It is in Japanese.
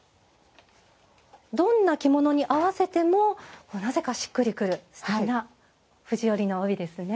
どんな着物に合わせてもなぜか、しっくりくるすてきな藤織りの帯ですね。